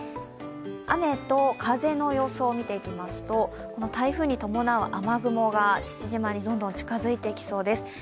雨と風の予想を見ていきますと台風に伴う雨雲が父島にどんどん近づいてきそうです。